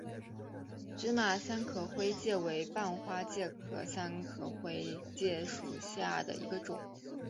芝麻三壳灰介为半花介科三壳灰介属下的一个种。